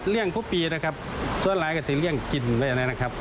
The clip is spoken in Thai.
ก็เรียงพวกปีนะครับส่วนหลายก็จะเรียงกินด้วยนะครับ